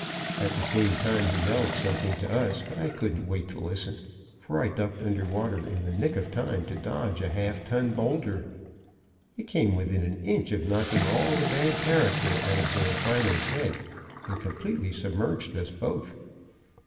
At the same time he yelled something at us, but I couldn't wait to listen, for I ducked under water in the nick of time to dodge a half ton boulder. It came within an inch of knocking all the bad character out of Damfino's head, and completely submerged us both.